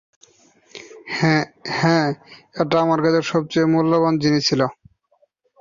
হ্যাঁ, এটা আমার কাছে সবচেয়ে মূল্যবান জিনিস ছিলো।